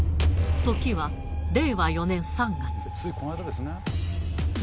時は令和４年３月。